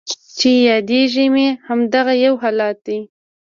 چې یادیږي مې همدغه یو حالت دی